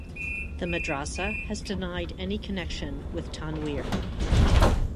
The madrasa has denied any connection with Tanweer.